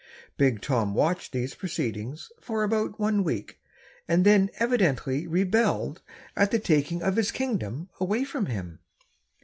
Big Tom watched these proceedings for about one week, and then evidently rebelled at the taking of his kingdom away from him.